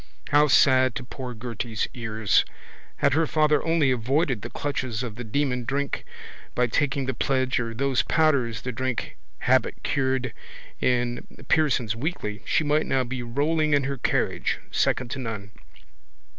How sad to poor Gerty's ears! Had her father only avoided the clutches of the demon drink, by taking the pledge or those powders the drink habit cured in Pearson's Weekly, she might now be rolling in her carriage, second to none.